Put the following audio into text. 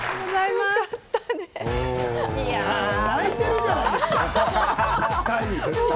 泣いてるじゃないですか、２人。